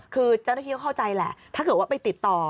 คือเจ้าหน้าที่ก็เข้าใจแหละถ้าเกิดว่าไปติดต่อ